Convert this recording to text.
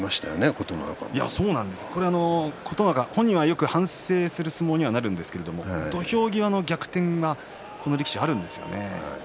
琴ノ若本人は反省する相撲になりますが土俵際の逆転がこの力士はあるんですよね。